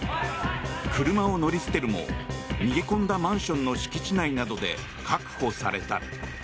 車を乗り捨てるも逃げ込んだマンションの敷地内などで確保された。